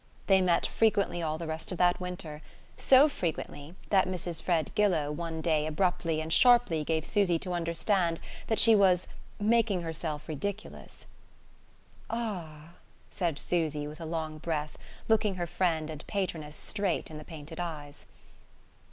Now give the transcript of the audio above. They met frequently all the rest of that winter; so frequently that Mrs. Fred Gillow one day abruptly and sharply gave Susy to understand that she was "making herself ridiculous." "Ah " said Susy with a long breath, looking her friend and patroness straight in the painted eyes.